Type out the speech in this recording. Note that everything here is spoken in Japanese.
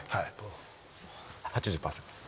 ８０％です。